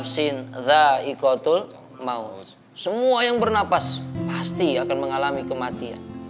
semua yang bernapas pasti akan mengalami kematian